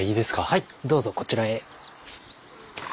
はいどうぞこちらへ。